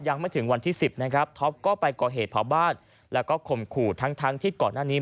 ยังไม่ถึงวันที่๑๐นะครับท็อปก็ไปก่อเหตุเผาบ้านแล้วก็ข่มขู่ทั้งที่ก่อนหน้านี้